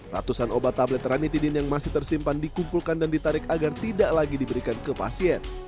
ratusan obat tablet ranitidin yang masih tersimpan dikumpulkan dan ditarik agar tidak lagi diberikan ke pasien